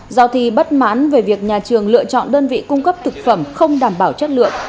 do thi bất mãn về việc nhà trường lựa chọn đơn vị cung cấp thực phẩm không đảm bảo chất lượng